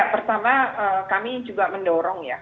pertama kami juga mendorong